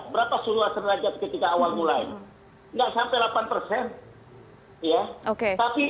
berapa suluan sederajat ketika awal mulai